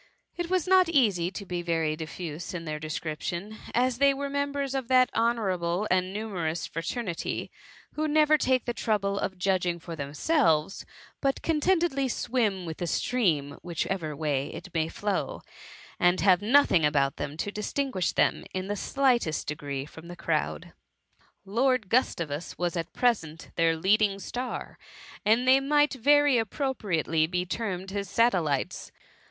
It is not easy to be very diffuse in their description, as they were members of that honourable and numerous fraternity, who never take the trou ble of judging for themselves, but content edly swim with the stream, whichever way it may flow, and have nothing about them to distinguish them in the slightest degree from the crowd. Lord Gustavus was at present their leading star, and they might very appropriately be termed his satellites.